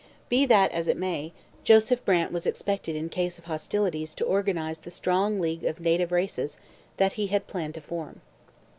Be that as it may, Joseph Brant was expected in case of hostilities to organize the strong league of native races that he had planned to form.